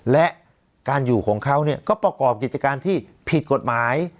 และการอยู่ของเขาก็ประกอบกิจการที่ผิดกฎหมาย